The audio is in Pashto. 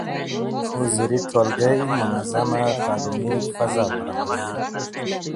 حضوري ټولګي منظم تعليمي فضا برابروي.